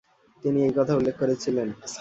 তিনি এই কথা উল্লেখ করেছিলেন।